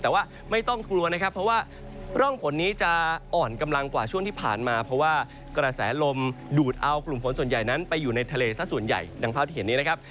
แต่ว่าไม่ต้องกลัวนะครับเพราะว่าร่องฝนนี้จะอ่อนกำลังกว่าช่วงที่ผ่านมาเพราะว่ากระแสลมดูดเอากลุ่มฝนส่วนใหญ่นั้นไปอยู่ในทะเลซะส่วนใหญ่ดังภาพที่เห็นนี้นะครับ